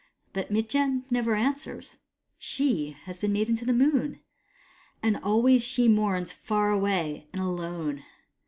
But Mitjen never answers. She has been made the Moon, and always she mourns far away and alone.